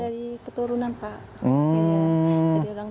dari keturunan pak